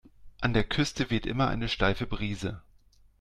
An der Küste weht immer eine steife Brise.